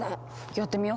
やってみよ。